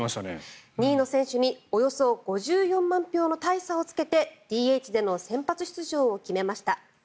２位の選手におよそ５４万票の大差をつけてＤＨでの先発出場を決めました。